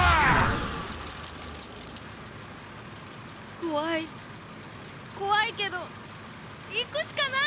怖い怖いけど行くしかない！